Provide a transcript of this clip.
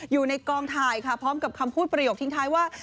อยู่ในกองถ่ายค่ะพร้อมกับคำพูดประโยคทิ้งท้ายว่า